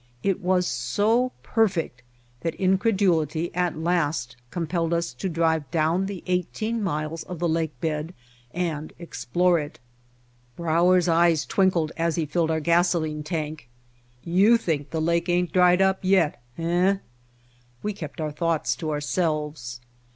It was so perfect that incredulity at last compelled us to drive down the eighteen miles of the lake bed and explore it. Brauer's eyes twinkled as he filled our gasoline tank. "You think the lake ain't dried up yet, hey?" We kept our thoughts to ourselves.